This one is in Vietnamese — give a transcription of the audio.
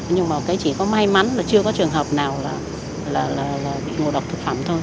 nhưng mà cái chỉ có may mắn là chưa có trường hợp nào là bị ngộ độc thực phẩm thôi